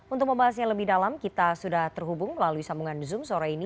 untuk membahasnya lebih dalam kita sudah terhubung melalui sambungan zoom sore ini